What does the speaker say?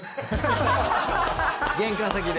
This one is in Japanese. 玄関先で？